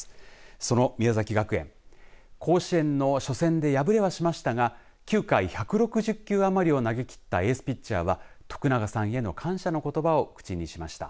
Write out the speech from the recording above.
その宮崎学園甲子園の初戦で敗れはしましたが９回１６０球余りを投げきったエースピッチャーは徳永さんへの感謝のことばを口にしました。